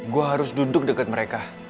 gue harus duduk dekat mereka